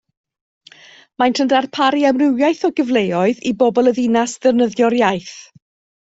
Maent yn darparu amrywiaeth o gyfleoedd i bobl y ddinas ddefnyddio'r iaith